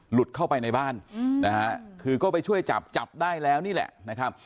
หลุดเข้าไปในบ้านนะฮะคือก็ไปช่วยจับจับได้แล้วนี่แหละนะครับ